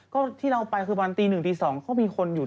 ก็ที่เราไปคือวันตีหนึ่งตีสองเขามีคนอยู่